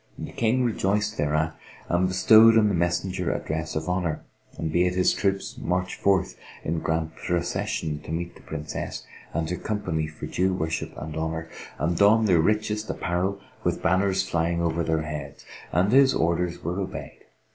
The King rejoiced thereat and bestowed on the messenger a dress of honour; and bade his troops march forth in grand procession to meet the Princess and her company for due worship and honour, and don their richest apparel with banners flying over their heads. And his orders were obeyed.